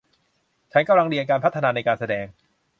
ฉันกำลังเรียนการพัฒนาในการแสดง